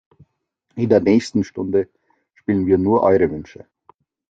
In der nächsten Stunde spielen wir nur eure Wünsche.